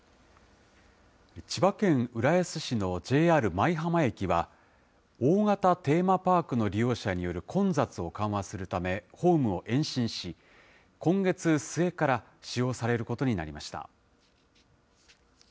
千葉県浦安市のＪＲ舞浜駅は、大型テーマパークの利用者による混雑を緩和するため、ホームを延伸し、今月末から使用されることになりました。